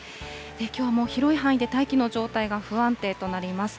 きょうも広い範囲で大気の状態が不安定となります。